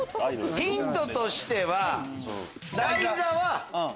ヒントとしては。